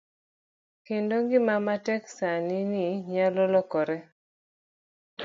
Kendo ngima matek sani ni nyalo lokore.